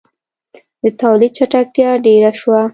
• د تولید چټکتیا ډېره شوه.